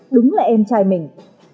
đúng là em trai mình